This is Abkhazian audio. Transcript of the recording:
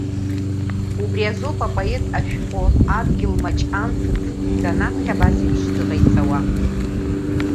Убри азоуп апоет ашәҟәы Адгьылмаҷ анҭыҵ, данаԥхьа абас еиԥш зыҟаиҵауа…